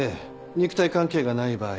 肉体関係がない場合